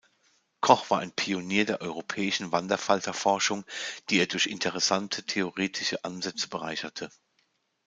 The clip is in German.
Koch war ein Pionier der europäischen Wanderfalter-Forschung, die er durch interessante theoretische Ansätze bereicherte.